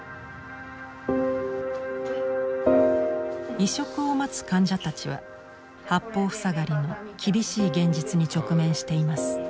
移植を待つ患者たちは八方塞がりの厳しい現実に直面しています。